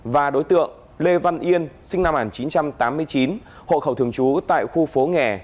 và đối tượng lê văn yên sinh năm một nghìn chín trăm tám mươi chín hộ khẩu thường trú tại khu phố nghè